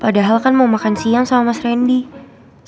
padahal kan mau makan siang sama mas reni ya